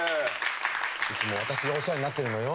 いつも私がお世話になってるのよ。